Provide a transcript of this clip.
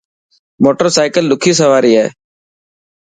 موٽر سائڪل ڏکي سواري هي.